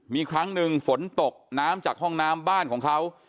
มีครั้งหนึ่งฝนตกน้ำจากห้องน้ำบ้านของเขา